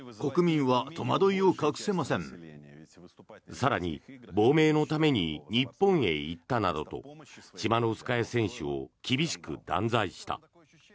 更に亡命のために日本へ行ったなどとチマノウスカヤ選手を厳しく断罪した。